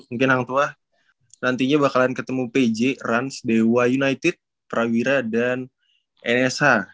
mungkin hang tuah nantinya bakalan ketemu pj ranz dewa united prawira dan nsh